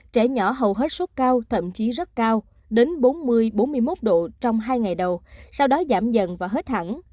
trẻ nhỏ hầu hết sốt cao thậm chí rất cao đến bốn mươi bốn mươi một độ trong hai ngày đầu sau đó giảm dần và hết hẳn